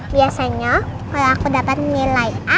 biasanya kalau aku dapat nilai a